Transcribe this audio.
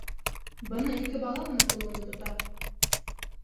Бына ике бала ғына ҡулымды тота.